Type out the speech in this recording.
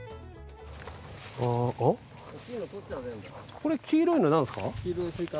これ黄色いのなんですか？